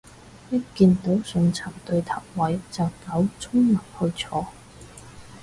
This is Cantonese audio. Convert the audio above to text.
一見到上層對頭位就狗衝埋去坐